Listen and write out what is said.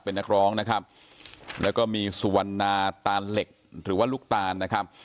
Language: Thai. เป็นนักร้องนะครับแล้วก็มีสุวรรณาตานเหล็กหรือว่าลูกตานนะครับ